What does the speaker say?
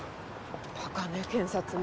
バカね検察も。